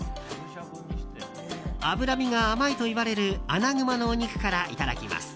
脂身が甘いといわれるアナグマのお肉からいただきます。